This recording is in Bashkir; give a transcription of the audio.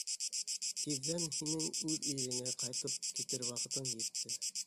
Тиҙҙән һинең үҙ илеңә ҡайтып китер ваҡытың етте.